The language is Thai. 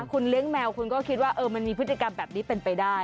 คุณเลี้ยงแมวคุณก็คิดว่ามันมีพฤติกรรมแบบนี้เป็นไปได้